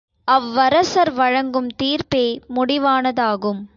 அவ்வரசர் வழங்கும் தீர்ப்பே முடிவானதாகும்.